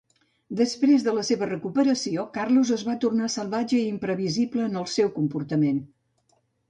Després de la seva recuperació, Carlos es va tornar salvatge i imprevisible en el seu comportament.